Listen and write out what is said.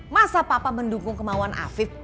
masa papa mendukung kemauan afif